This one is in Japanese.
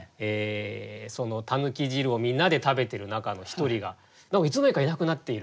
その狸汁をみんなで食べてる中の一人が何かいつの間にかいなくなっている。